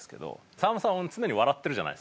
さんまさん常に笑ってるじゃないですか。